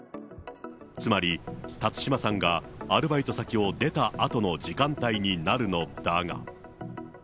つまり辰島さんが、アルバイト先を出たあとの時間帯になるのだが。